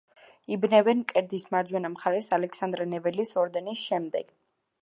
იბნევენ მკერდის მარჯვენა მხარეს ალექსანდრე ნეველის ორდენის შემდეგ.